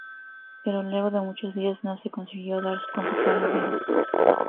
Pero luego de muchos días, no se consiguió dar con su paradero.